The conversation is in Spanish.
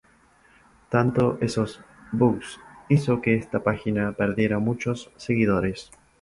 Tanto de esos "bugs" hizo que esta página perdiera muchos seguidores.